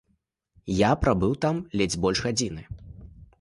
Я прабыў там ледзь больш гадзіны.